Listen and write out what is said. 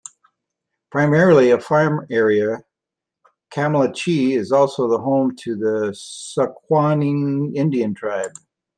Primarily a farm area, Kamilche is also the home to the Squaxin Indian Tribe.